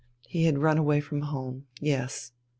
He had run away from home. Yes."